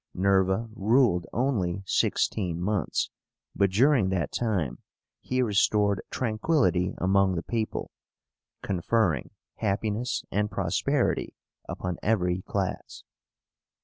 Nerva ruled only sixteen months; but during that time he restored tranquillity among the people, conferring happiness and prosperity upon every class.